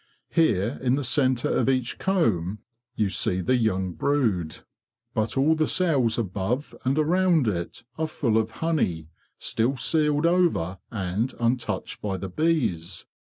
Here in the centre of each comb you see the young brood; but all the cells above and around it are full of honey, still sealed over and untouched by the bees.